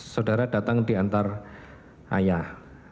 saudara datang di antar ayah